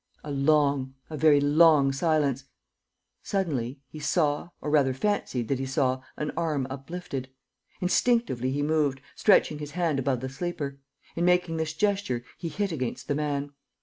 A long, a very long silence. Suddenly, he saw or rather fancied that he saw an arm uplifted. Instinctively he moved, stretching his hand above the sleeper. In making this gesture, he hit against the man.